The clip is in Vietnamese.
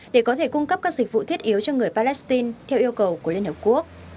để có thể cung cấp các dịch vụ thiết yếu cho người palestine theo yêu cầu của liên hợp quốc